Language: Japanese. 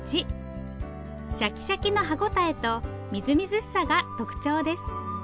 シャキシャキの歯応えとみずみずしさが特徴です。